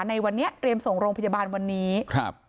ในวันนี้เตรียมส่งโรงพยาบาลวันนี้ครับ